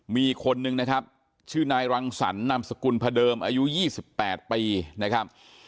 มีคนนึงนะครับชื่อนายรังสรรนามสกุลพระเดิมอายุ๒๘ปีนะครับ